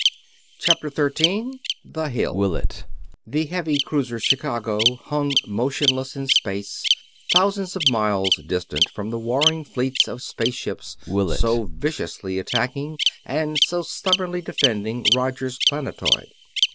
CHAPTER 13 THE HILL The heavy cruiser Chicago hung motionless in space, thousands of miles distant from the warring fleets of space ships so viciously attacking and so stubbornly defending Roger's planetoid.